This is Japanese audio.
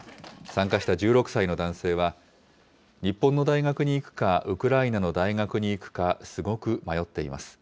参加した１６歳の男性は、日本の大学に行くか、ウクライナの大学に行くか、すごく迷っています。